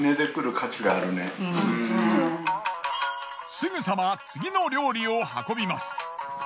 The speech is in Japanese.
すぐさま次の料理を運びます。